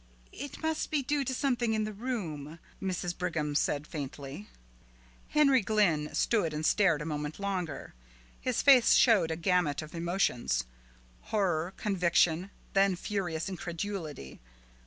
"It must be due to something in the room," Mrs. Brigham said faintly. Henry Glynn stood and stared a moment longer. His face showed a gamut of emotions. Horror, conviction, then furious incredulity.